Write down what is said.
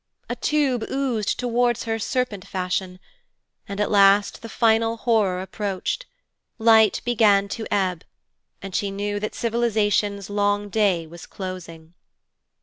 A tube oozed towards her serpent fashion. And at last the final horror approached light began to ebb, and she knew that civilization's long day was closing.